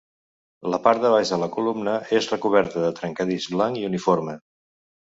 La part de baix de la columna és recoberta de trencadís blanc i uniforme.